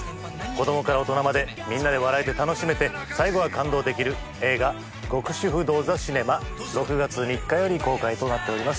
子供から大人までみんなで笑えて楽しめて最後は感動できる映画『極主夫道ザ・シネマ』６月３日より公開となっております。